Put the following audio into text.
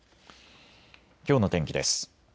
きょうの天気です。